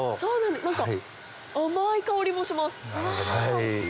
何か甘い香りもします。